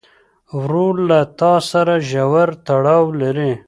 ورور له تا سره ژور تړاو لري.